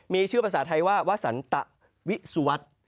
มีชื่อภาษาไทยว่าวสันตวิสุวัสดิ์